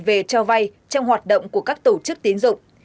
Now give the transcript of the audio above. về trao vay trong hoạt động của các tổ chức tiến dụng